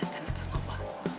kan akan apa